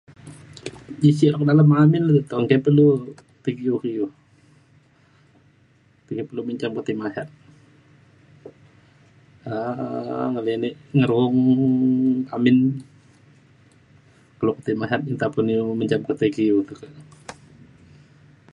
ji sileng dalem amin le toh engke pe ilu ti ke iu iu. ti pe lu menjam tei masat um ngelinek ngeruong ke amin kelo ketei masat nta pun ilu menjam te ke iu te ke